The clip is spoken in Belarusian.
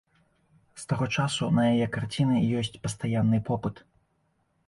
З таго часу на яе карціны ёсць пастаянны попыт.